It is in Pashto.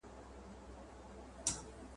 څوک په سره اهاړ کي تندي وه وژلي !.